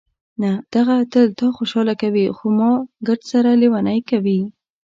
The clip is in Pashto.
نه، دغه تل تا خوشحاله کوي، خو ما ګردسره لېونۍ کوي.